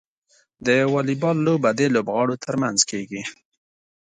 د واليبال لوبه د لوبغاړو ترمنځ کیږي.